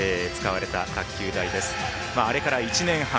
あれから１年半。